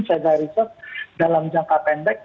sedar riset dalam jangka pendek